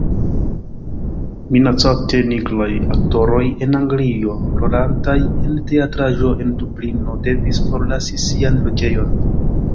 Minacate, nigraj aktoroj el Anglio, rolantaj en teatraĵo en Dublino, devis forlasi sian loĝejon.